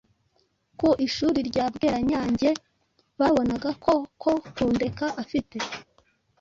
ku Ishuri rya Bweranyangye babonaga ko Kokundeka afite